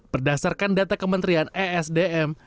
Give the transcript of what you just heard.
berdasarkan data kementerian esdm